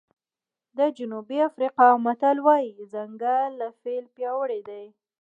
د جنوبي افریقا متل وایي ځنګل له فیل پیاوړی دی.